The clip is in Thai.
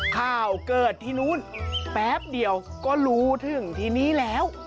ข่าวเกิดที่นู้นแป๊บเดียวก็รู้ถึงทีนี้แล้ว